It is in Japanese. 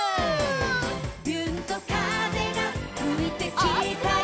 「びゅーんと風がふいてきたよ」